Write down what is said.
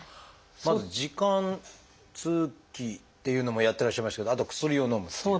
まず「耳管通気」っていうのもやってらっしゃいましたけどあと薬をのむっていう。